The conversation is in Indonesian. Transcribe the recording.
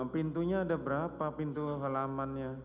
pintunya ada berapa pintu halamannya